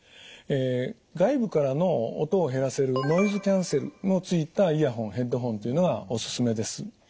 外部からの音を減らせるノイズキャンセルのついたイヤホンヘッドホンというのがおすすめです。